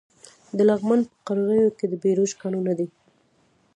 د لغمان په قرغیو کې د بیروج کانونه دي.